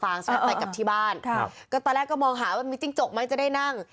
ไปกลับที่บ้านครับก็ตอนแรกก็มองหาว่ามีจิ้งจกไหมจะได้นั่ง